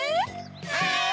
はい！